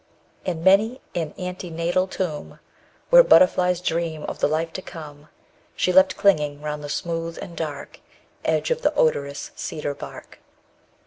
And many an antenatal tomb, Where butterflies dream of the life to come, She left clinging round the smooth and dark _55 Edge of the odorous cedar bark.